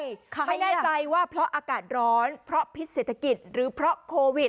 ไม่แน่ใจว่าเพราะอากาศร้อนเพราะพิษเศรษฐกิจหรือเพราะโควิด